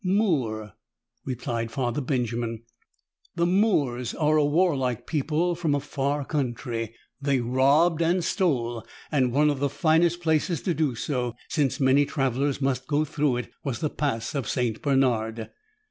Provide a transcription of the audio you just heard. "Moor," replied Father Benjamin. "The Moors are a warlike people from a far country. They robbed and stole, and one of the finest places to do so, since many travelers must go through it, was the Pass of St. Bernard.